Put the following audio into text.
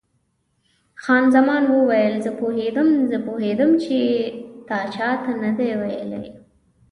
خان زمان وویل: زه پوهېدم، زه پوهېدم چې تا چا ته نه دي ویلي.